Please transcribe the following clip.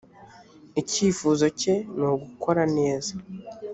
icyifuzo cye nugukoraneza.